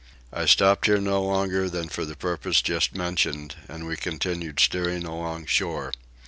I stopped here no longer than for the purpose just mentioned, and we continued steering alongshore.